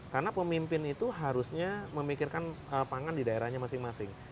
karena pemimpin itu harusnya memikirkan pangan di daerahnya masing masing